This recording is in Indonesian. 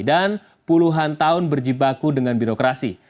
dan puluhan tahun berjibaku dengan birokrasi